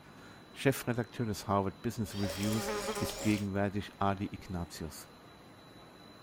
Chefredakteur des "Harvard Business Reviews" ist gegenwärtig Adi Ignatius.